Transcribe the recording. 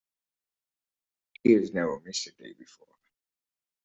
He has never missed a day before.